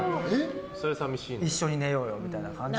一緒に寝ようよみたいな感じで。